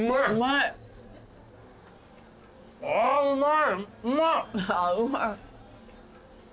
うまい。